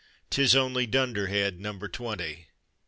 'tis only Dunderhead Number Twenty."